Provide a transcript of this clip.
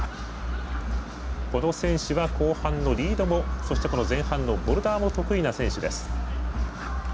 この選手は、後半のリードもそしてボルダーも得意な選手です。